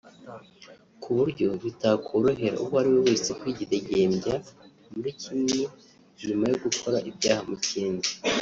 ku buryo bitakorohera uwo ariwe wese kwidegembya muri kimwe nyuma yo gukora ibyaha mu kindi